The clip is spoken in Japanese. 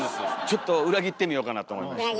ちょっと裏切ってみようかなと思いまして。